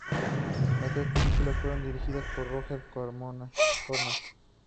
Las tres películas fueron dirigidas por Roger Corman.